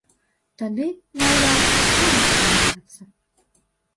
Тады, маўляў, шанцы, з'явяцца.